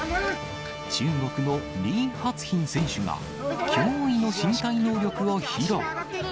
中国の李発彬選手が、驚異の身体能力を披露。